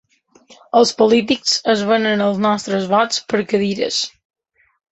Els polítics es venen els nostres vots per cadires.